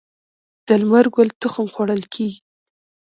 د لمر ګل تخم خوړل کیږي.